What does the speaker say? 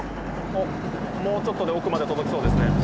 おっもうちょっとで奥まで届きそうですね。